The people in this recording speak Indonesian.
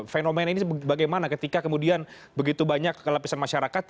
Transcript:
fenomena ini bagaimana ketika kemudian begitu banyak kelapisan masyarakat